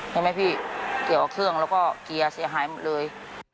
ใช่ไหมพี่เกี่ยวกับเครื่องแล้วก็เกียร์เสียหายหมดเลย